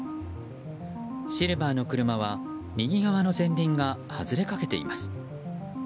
シルバーの車は右側の前輪が外れかけています。